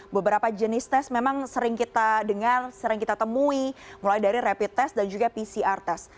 beberapa jenis tes memang sering kita dengar sering kita temui mulai dari rapid test dan juga pcr test